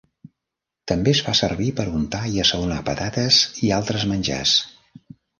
També es fa servir per untar i assaonar patates i altres menjars.